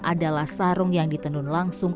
adalah sarung yang di tenun langsung